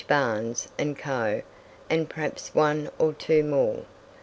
Barnes and Co., and perhaps one or two more.